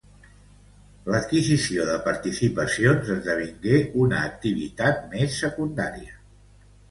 L'adquisició de participacions esdevingué una activitat més secundària.